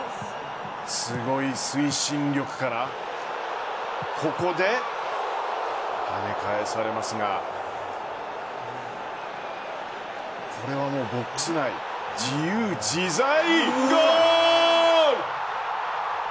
すごい推進力からここではね返されますがこれはボックス内自由自在。